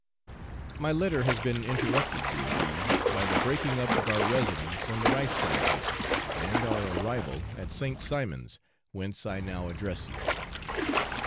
My letter has been interrupted, dear E , by the breaking up of our residence on the rice plantation, and our arrival at St. Simon's, whence I now address you.